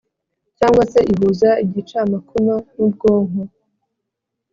cyangwa se ihuza igicamakoma n’ubwonko